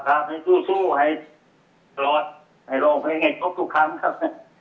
ครับต้องต้องสู้ให้โลกยังไงจริงทุกครั้งครับ